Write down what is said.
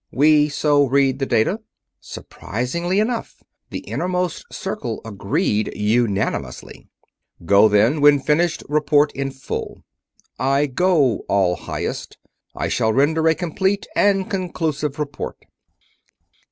"We so read the data." Surprisingly enough, the Innermost Circle agreed unanimously. "Go, then. When finished, report in full." "I go, All Highest. I shall render a complete and conclusive report."